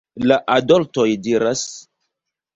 La adoltoj diras: